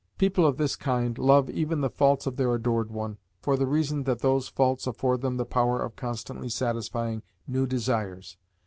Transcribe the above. People of this kind love even the faults of their adored one, for the reason that those faults afford them the power of constantly satisfying new desires.